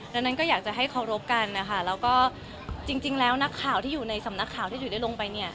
ดังนั้นก็อยากจะให้เคารพกันนะคะแล้วก็จริงแล้วนักข่าวที่อยู่ในสำนักข่าวที่จุ๋ยได้ลงไปเนี่ย